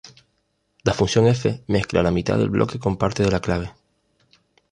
La "función-F" mezcla la mitad del bloque con parte de la clave.